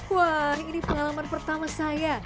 wah ini pengalaman pertama saya